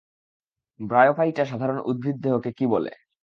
Bryophyta সাধারণ উদ্ভিদদেহকে কী বলে?